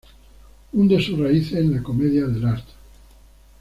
Hunde sus raíces en la "Commedia dell'Arte".